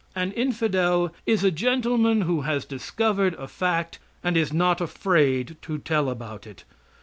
An infidel is a gentleman who has discovered a fact and is not afraid to tell about it.